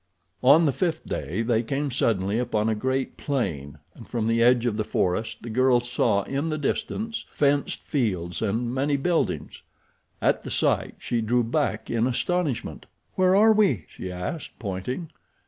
On the fifth day they came suddenly upon a great plain and from the edge of the forest the girl saw in the distance fenced fields and many buildings. At the sight she drew back in astonishment. "Where are we?" she asked, pointing.